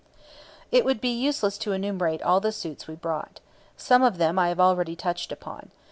It would be useless to enumerate all the suits we brought. Some of them I have already touched upon.